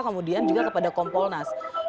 kemudian juga kepada kompolnas